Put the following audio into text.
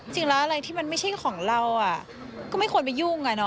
จริงแล้วอะไรที่มันไม่ใช่ของเราอ่ะก็ไม่ควรไปยุ่งอ่ะเนาะ